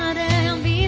agar semua tak berakhir